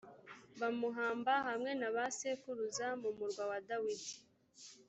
bamuhamba hamwe na ba sekuruza mu murwa wa dawidi